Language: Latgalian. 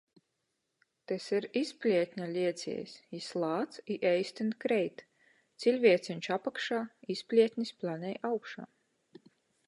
Tys ir izplietņa lieciejs. Jis lāc i eistyn kreit - ciļvieceņš apakšā, izplietnis planej augšā!